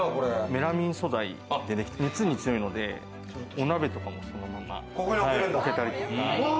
メラミン素材でできていて、熱に強いのでお鍋とかもそのまま置けたり。